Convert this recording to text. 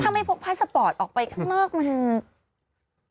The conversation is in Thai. ถ้าไม่พกพาสปอร์ตออกไปข้างนอกมัน